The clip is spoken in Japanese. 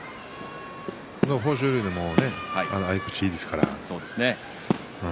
豊昇龍にも合い口がいいですから。